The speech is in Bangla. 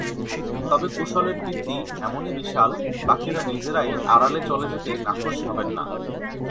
তবে কুশলের কীর্তি এমনই বিশাল, বাকিরা নিজেরাই আড়ালে চলে যেতে নাখোশ হবেন না।